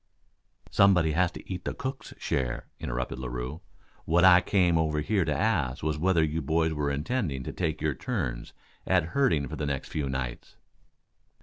"Somebody has to eat the cook's share," interrupted Larue. "What I came over here to ask was whether you boys were intending to take your turns at herding for the next few nights?"